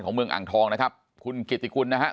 ของเมืองอ่างทองนะครับคุณเกติกุลนะครับ